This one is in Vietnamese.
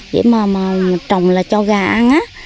vậy mà trồng là cho gà ăn á